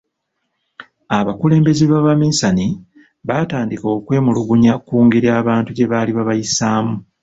Abakulembeze ba bannansi baatandika okwemulugunya ku ngeri abantu gye baali bayisibwamu.